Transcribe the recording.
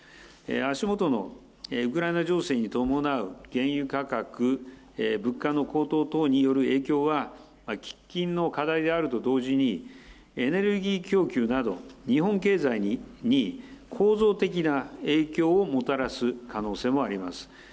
足元のウクライナ情勢に伴う原油価格、物価の高騰等による影響は、喫緊の課題であると同時に、エネルギー供給など、日本経済に構造的な影響をもたらす可能性もあります。